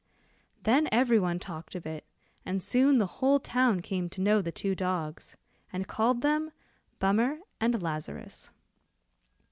Then every one talked of it, and soon the whole town came to know the two dogs, and called them Bummer and Lazarus.